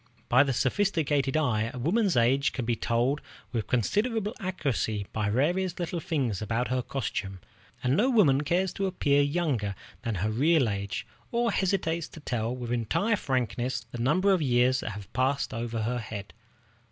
By the sophisticated eye, a woman's age can be told with considerable accuracy by the various little things about her costume, and no woman cares to appear younger than her real age, or hesitates to tell with entire frankness the number of years that have passed over her head.